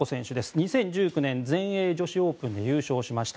２０１９年に全英女子オープンゴルフで優勝しました。